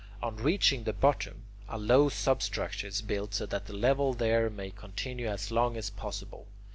On reaching the bottom, a low substructure is built so that the level there may continue as long as possible.